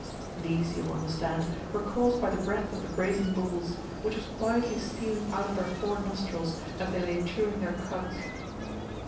These, you will understand, were caused by the breath of the brazen bulls, which was quietly stealing out of their four nostrils as they lay chewing their cuds.